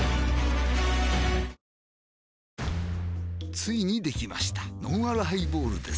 ついにできましたのんあるハイボールです